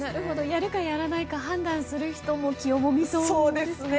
やるかやらないか判断する人も気をもみそうですね。